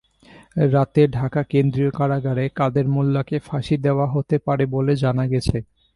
রাতে ঢাকা কেন্দ্রীয় কারাগারে কাদের মোল্লাকে ফাঁসি দেওয়া হতে পারে বলে জানা গেছে।